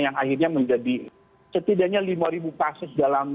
yang akhirnya menjadi setidaknya lima kasus dalam